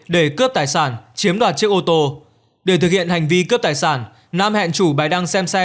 để cướp tài sản chiếm đoạt chiếc ô tô để thực hiện hành vi cướp tài sản nam hẹn chủ bài đăng xem xe